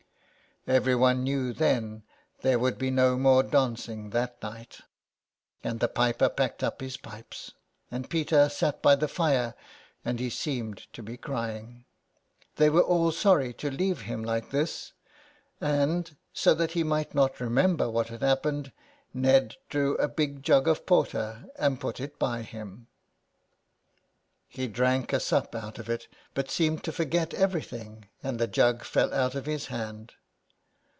Everyone knew then there would be no more dancing that night; and the piper packed up his pipes. And Peter sat by the fire, and he seemed to be crying. They were all sorry to leave him like this ; and, so that he might not remember what had hap pened, Ned drew a big jug of porter, and put it by him. 78 SOME PARISHIONERS. He drank a sup out of it, but seemed to forget everything, and the jug fell out of his hand.